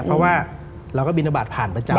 เพราะว่าเราก็บินทบาทผ่านประจำ